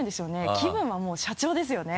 気分はもう社長ですよね。